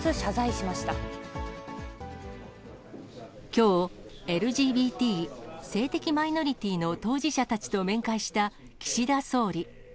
きょう、ＬＧＢＴ・性的マイノリティーの当事者たちと面会した岸田総理。